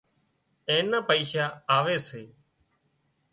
اين نا پئيشا آوي سي